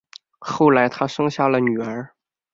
后来他生下了女儿